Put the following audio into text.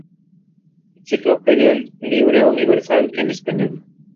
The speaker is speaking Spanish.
Enciclopedia Libre Universal en Español